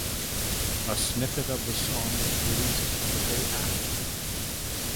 A snippet of the song was released the day after.